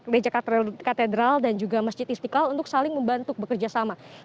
gereja katedral dan juga masjid istiqlal untuk saling membantu bekerja sama